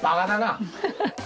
ハハハハ。